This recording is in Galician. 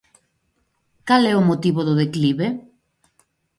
Cal é o motivo do declive?